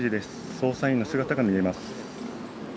捜査員の姿が見えます。